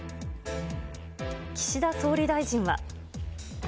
岸田総理大臣は。